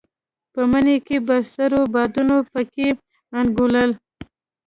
په مني کې به سړو بادونو په کې انګولل.